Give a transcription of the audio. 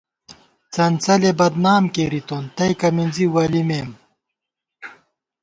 څنڅَلےبدنام کېرِتون ، تئیکہ مِنزی ولِمېم